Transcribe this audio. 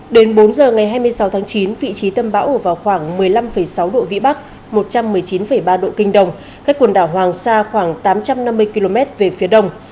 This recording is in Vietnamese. đến bốn giờ ngày hai mươi sáu tháng chín vị trí tâm bão ở vào khoảng một mươi năm sáu độ vĩ bắc một trăm một mươi chín ba độ kinh đông cách quần đảo hoàng sa khoảng tám trăm năm mươi km về phía đông